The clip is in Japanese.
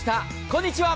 こんにちは。